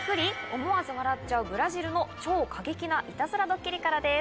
思わず笑っちゃうブラジルの超過激なイタズラドッキリからです。